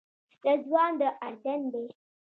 رضوان د اردن دی.